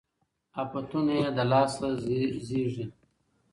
آفتونه یې له خپله لاسه زېږي